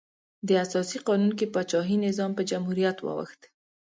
د اساسي قانون کې پاچاهي نظام په جمهوري واوښت.